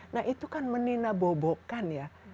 nah itu kan meninabobokan ya